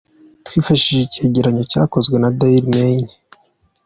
Twifashishije icyegeranyo cyakozwe na Daily Mail.